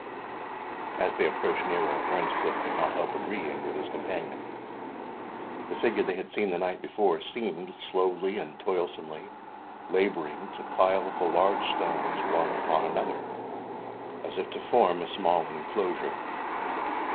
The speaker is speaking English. As they approached nearer, Earnscliff could not help agreeing with his companion. The figure they had seen the night before seemed slowly and toilsomely labouring to pile the large stones one upon another, as if to form a small enclosure.